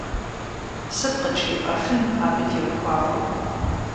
Сыт къыджепӀэфын абы теухуауэ?